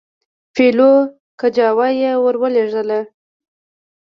پیلو کجاوه یې ورولېږله.